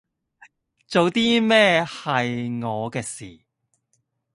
做啲咩係我嘅事